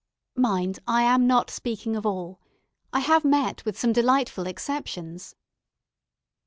Mind, I am not speaking of all. I have met with some delightful exceptions.